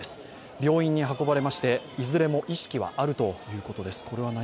病院に運ばれまして、いずれも意識はあるとのことです。